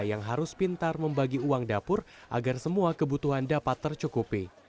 yang harus pintar membagi uang dapur agar semua kebutuhan dapat tercukupi